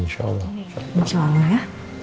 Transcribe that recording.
insya allah ya